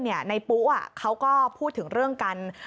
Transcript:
แต่ในปุ๊ะเขาก็พูดถึงเรื่องกัน